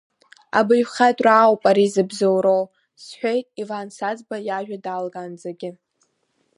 Абаҩхатәра ауп ари зыбзоуроу, – сҳәеит Иван Саӡба иажәа далгаанӡагьы.